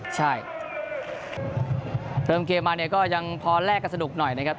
ใช่เริ่มเกมมาเนี่ยก็ยังพอแลกกันสนุกหน่อยนะครับ